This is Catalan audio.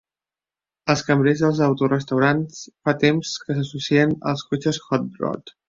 Els cambrers dels autorestaurants fa temps que s'associen als cotxes hot-rod.